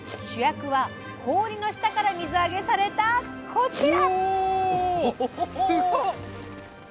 主役は氷の下から水揚げされたこちら！